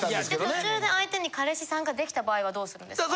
途中で相手に彼氏さんができた場合はどうするんですか？